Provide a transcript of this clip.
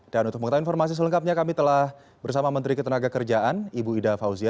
dan untuk mengenai informasi selengkapnya kami telah bersama menteri ketenaga kerjaan ibu ida fauzia